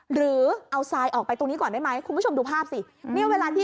หรือเอาสายออกไปตรงนี้ก่อนได้ไหม